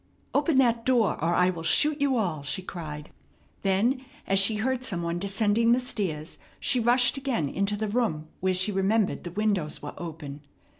"Open that door, or I will shoot you all!" she cried. Then, as she heard some one descending the stairs, she rushed again into the room where she remembered the windows were open.